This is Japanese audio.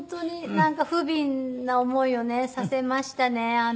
なんかふびんな思いをねさせましたね。